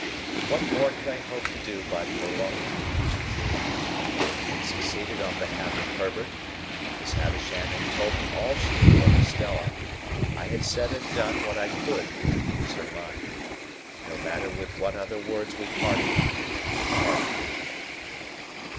What more could I hope to do by prolonging the interview? I had succeeded on behalf of Herbert, Miss Havisham had told me all she knew of Estella, I had said and done what I could to ease her mind. No matter with what other words we parted; we parted.